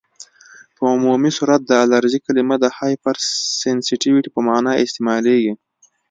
په عمومي صورت د الرژي کلمه د هایپرسینسیټیويټي په معنی استعمالیږي.